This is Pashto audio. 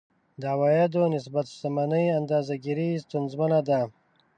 د عوایدو نسبت شتمنۍ اندازه ګیري ستونزمنه ده.